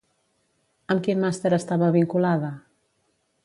Amb quin màster estava vinculada?